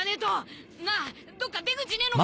なあどっか出口ねえのか？